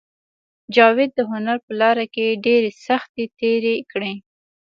جاوید د هنر په لاره کې ډېرې سختۍ تېرې کړې